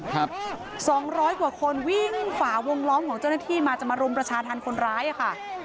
๒๐๐หัวคนวิ่งขวาวงล้อมของเจ้าหน้าที่มาจะมารมประชาธรรมคนร้ายค่ะ